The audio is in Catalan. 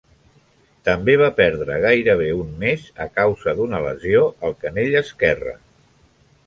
També va perdre gairebé un mes a causa d'una lesió al canell esquerre.